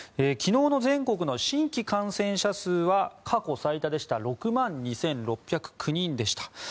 昨日の全国の新規感染者数は過去最多でした６万２６０９人でした。